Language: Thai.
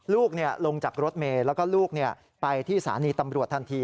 ลงจากรถเมย์แล้วก็ลูกไปที่สถานีตำรวจทันที